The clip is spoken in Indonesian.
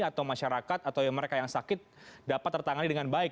atau masyarakat atau mereka yang sakit dapat tertangani dengan baik